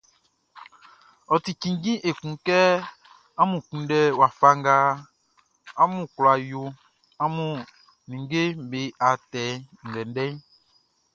Ɔ ti cinnjin ekun kɛ amun kunndɛ wafa nga amun kwla yo amun ninngeʼm be atɛ ndɛndɛʼn.